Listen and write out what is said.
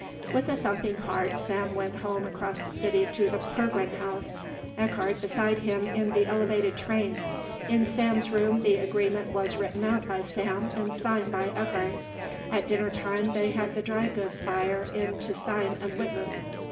With a thumping heart Sam went home across the city to the Pergrin house, Eckardt beside him in the elevated train. In Sam's room the agreement was written out by Sam and signed by Eckardt. At dinner time they had the drygoods buyer in to sign as witness.